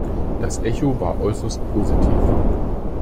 Das Echo war äußerst positiv.